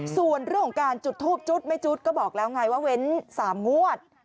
ส่วนเรื่องของการจุดทูบจุดแม่จุ๊ดก็บอกแล้วไงว่าเว้น๓งวด